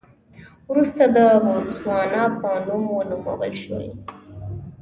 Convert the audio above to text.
وروسته د بوتسوانا په نوم ونومول شول.